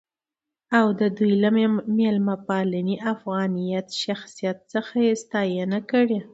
او د دوي له میلمه پالنې ،افغانيت ،شخصیت څخه يې ستاينه هم کړې.